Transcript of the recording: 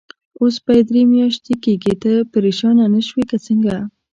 اوس به یې درې میاشتې کېږي، ته پرېشانه نه شوې که څنګه؟